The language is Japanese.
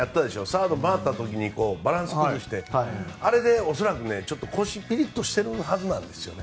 サード回った時にバランスを崩した時にちょっと腰、ピリッとしてるはずなんです。